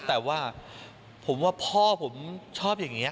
แต่ว่าผมว่าพ่อผมชอบอย่างนี้